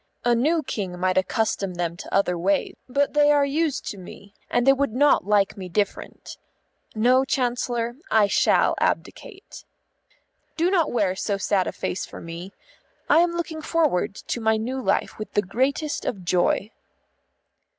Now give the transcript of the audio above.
A new King might accustom them to other ways, but they are used to me, and they would not like me different. No, Chancellor, I shall abdicate. Do not wear so sad a face for me. I am looking forward to my new life with the greatest of joy."